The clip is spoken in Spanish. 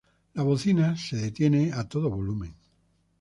La bocina se detiene a todo volumen.